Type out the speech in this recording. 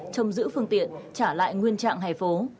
trong giữ phương tiện trả lại nguyên trạng hè phố